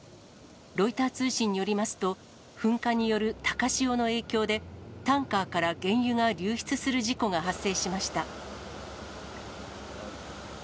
ロイター通信によりますと、噴火による高潮の影響で、タンカーから原油が流出する事故が発生しました。